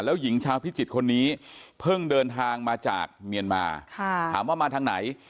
แล้วหญิงชาวพิจิตรคนนี้เพิ่งเดินทางมาจากเมียนมาถามว่ามาทางไหน